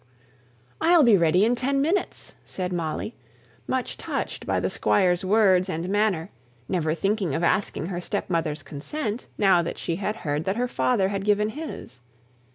"I'll be ready in ten minutes," said Molly, much touched by the squire's words and manner, never thinking of asking her stepmother's consent, now that she had heard that her father had given his.